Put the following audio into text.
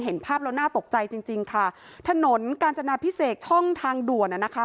เห็นภาพแล้วน่าตกใจจริงจริงค่ะถนนกาญจนาพิเศษช่องทางด่วนน่ะนะคะ